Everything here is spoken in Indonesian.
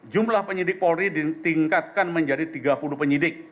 jumlah penyidik polri ditingkatkan menjadi tiga puluh penyidik